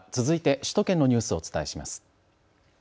続いて首都圏のニュースをお伝えします。